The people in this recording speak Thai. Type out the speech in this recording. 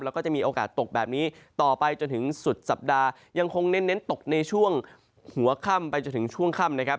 แล้วก็จะมีโอกาสตกแบบนี้ต่อไปจนถึงสุดสัปดาห์ยังคงเน้นตกในช่วงหัวค่ำไปจนถึงช่วงค่ำนะครับ